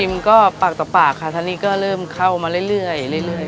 มันก็ปากต่อปากค่ะตอนนี้ก็เริ่มเข้ามาเรื่อย